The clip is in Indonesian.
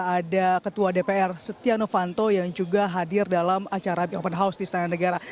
ada ketua dpr setia novanto yang juga hadir dalam acara open house di istana negara